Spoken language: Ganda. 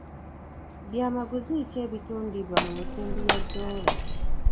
Byamaguzi ki ebitundibwa mu nsimbi ya doola?